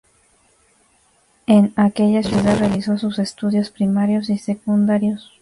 En aquella ciudad realizó sus estudios primarios y secundarios.